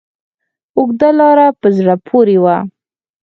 اوږده لاره په زړه پورې وه.